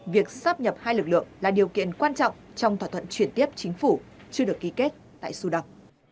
việc sắp nhập hai lực lượng là điều kiện quan trọng trong thỏa thuận chuyển tiếp chính phủ chưa được ký kết tại sudan